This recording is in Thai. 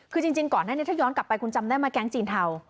คือจริงก่อนแน่นี้ถ้าย้อนผ่านไปคุณจำได้มาแก๊งจีนท์เท่า